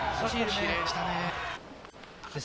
きれいでしたね。